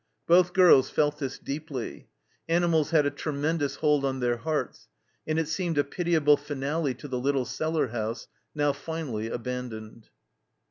Both girls felt this deeply. Animals had a tremendous hold on their hearts, and it seemed a pitiable finale to the little cellar house, now finally abandoned.